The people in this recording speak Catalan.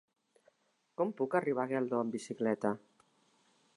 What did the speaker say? Com puc arribar a Geldo amb bicicleta?